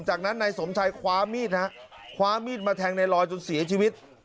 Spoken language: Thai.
จากนั้นนายสมชัยคว้ามีดฮะคว้ามีดมาแทงในลอยจนเสียชีวิต